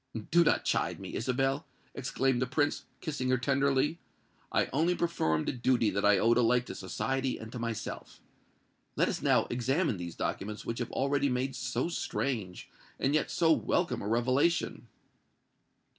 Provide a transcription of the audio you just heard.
"Do not chide me, Isabel," exclaimed the Prince, kissing her tenderly. "I only performed a duty that I owed alike to society and to myself. Let us now examine these documents which have already made so strange, and yet so welcome a revelation."